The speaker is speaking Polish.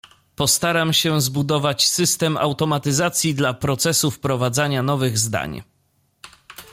postaram się zbudować system automatyzacji dla procesu wprowadzania nowych zdań